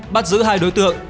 bắt giữ hai đối tượng